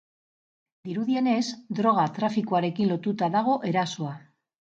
Dirudienez, droga trafikoarekin lotuta dago erasoa.